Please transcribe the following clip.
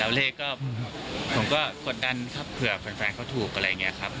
แล้วเลขก็ผมก็กดดันครับเผื่อแฟนเขาถูกอะไรอย่างนี้ครับ